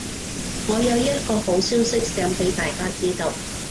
我有一個好消息想畀大家知道